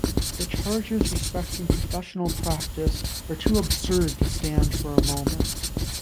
The charges respecting professional practice are too absurd to stand for a moment.